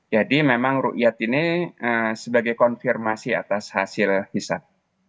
jadi memang ru yat ini sebagai konfirmasi atas hasil hisap